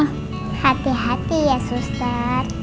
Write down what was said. hati hati ya suster